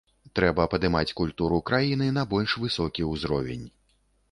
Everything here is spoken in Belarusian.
Трэба падымаць культуру краіны на больш высокі ўзровень.